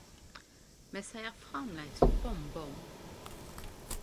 Me seier framleis båmbåm!